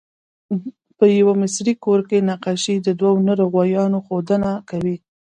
په یوه مصري ګور کې نقاشي د دوه نر غوایو ښودنه کوي.